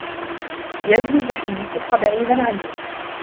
لأجل الجحيم، ابق بعيدا عني!